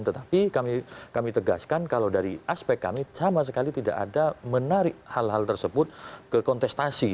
tetapi kami tegaskan kalau dari aspek kami sama sekali tidak ada menarik hal hal tersebut ke kontestasi